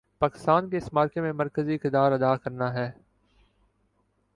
پاکستان کو اس معرکے میں مرکزی کردار ادا کرنا ہے۔